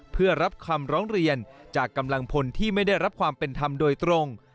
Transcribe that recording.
เพื่อรับคำร้องเรียนจากกำลังพลที่ไม่ได้รับความเป็นธรรมโดยตรง